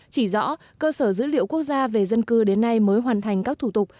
chỉ rõ cơ sở dữ liệu quốc gia về dân cư đến nay mới hoàn thành các thủ tục